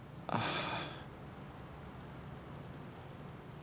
あっ。